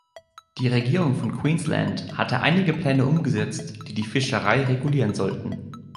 Die Regierung von Queensland hat einige Pläne umgesetzt, die die Fischerei regulieren sollen.